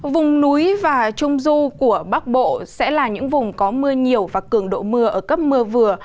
vùng núi và trung du của bắc bộ sẽ là những vùng có mưa nhiều và cường độ mưa ở cấp mưa vừa